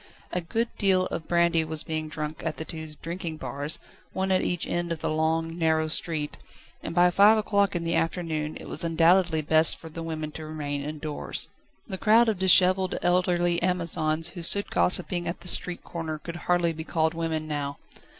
A good deal of brandy was being drunk at the two drinking bars, one at each end of the long, narrow street, and by five o'clock in the afternoon it was undoubtedly best for women to remain indoors. The crowd of dishevelled elderly Amazons who stood gossiping at the street corner could hardly be called women now.